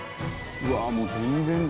うわもう全然だ。